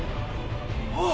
あっ！